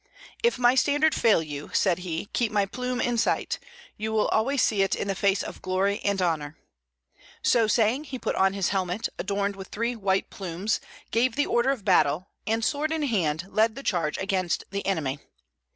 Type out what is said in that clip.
"If my standard fail you," said he, "keep my plume in sight: you will always see it in the face of glory and honor." So saying, he put on his helmet, adorned with three white plumes, gave the order of battle, and, sword in hand, led the charge against the enemy.